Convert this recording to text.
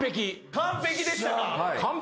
完璧でしたよ。